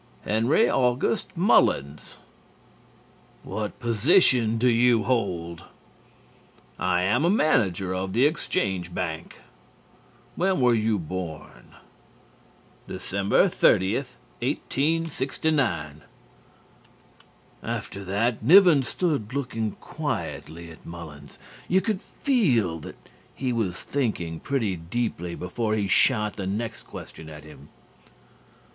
"Henry August Mullins." "What position do you hold?" "I am manager of the Exchange Bank." "When were you born?" "December 30, 1869." After that, Nivens stood looking quietly at Mullins. You could feel that he was thinking pretty deeply before he shot the next question at him.